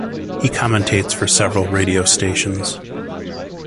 He commentates for several radio stations.